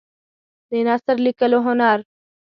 د نثر لیکلو هنر